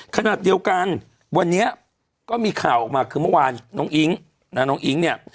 ขณะเดียวกันวันนี้ก็มีข่าวออกมาคือเมื่อวานน้องอิ๊งน้องอิ๊งเนี่ย